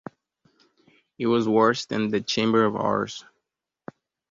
It was worse than the Chamber of Horrors.